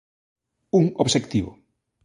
Un obxectivo.